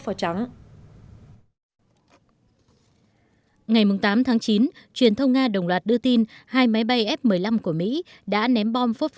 pho trắng ngày tám tháng chín truyền thông nga đồng loạt đưa tin hai máy bay f một mươi năm của mỹ đã ném bom phố